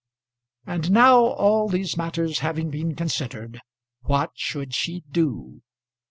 And now, all these matters having been considered, what should she do?